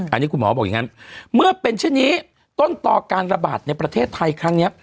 อันนี้คุณหมอบอกอย่างนั้นเมื่อเป็นเช่นนี้ต้นต่อการระบาดในประเทศไทยครั้งนี้